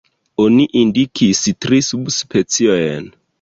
Oni indikis tri subspeciojn.